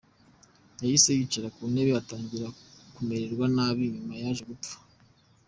Yahise yicara mu ntebe atangira kumererwa nabi nyuma yaje gupfa.